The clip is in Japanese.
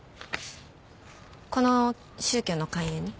この宗教の勧誘に？